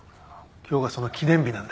今日がその記念日なんだ。